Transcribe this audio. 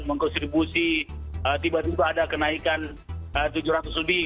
mengkonstribusi tiba tiba ada kenaikan tujuh ratus lebih